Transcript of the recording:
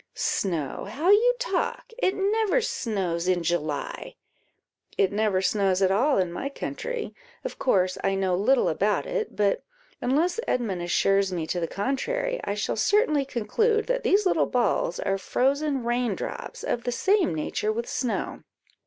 "Snow! how you talk! it never snows in July." "It never snows at all in my country of course I know little about it; but unless Edmund assures me to the contrary, I shall certainly conclude that these little balls are frozen rain drops, of the same nature with snow."